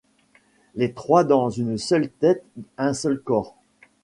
Les trois dans une seule tête, un seul corps.